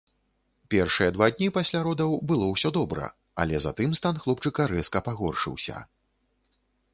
Першыя два дні пасля родаў было ўсё добра, але затым стан хлопчыка рэзка пагоршыўся.